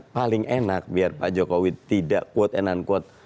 paling enak biar pak jokowi tidak quote and unquote